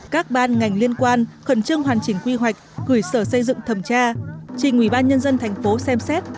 các ban ngành liên quan khẩn trương hoàn chỉnh quy hoạch gửi sở xây dựng thẩm tra trình ủy ban nhân dân thành phố xem xét